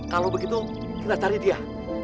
kalau begitu kita cari dia